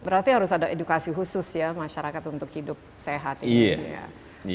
berarti harus ada edukasi khusus ya masyarakat untuk hidup sehat ini